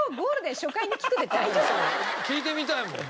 聴いてみたいもん。